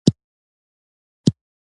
موټر مې لږ سروي غواړي.